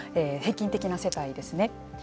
平均的な世帯ですね。